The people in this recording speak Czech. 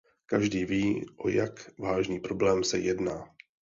Každý ví, o jak vážný problém se jedná.